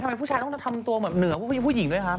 ทำไมผู้ชายต้องทำตัวเหมือนเหนือผู้หญิงด้วยคะ